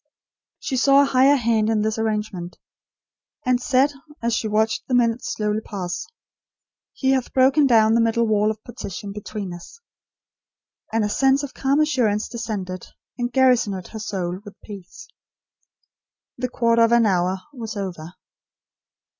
She saw a Higher Hand in this arrangement; and said, as she watched the minutes slowly pass: "He hath broken down the middle wall of partition between us"; and a sense of calm assurance descended, and garrisoned her soul with peace. The quarter of an hour was over.